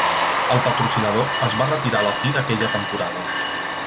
El patrocinador es va retirar a la fi d'aquella temporada.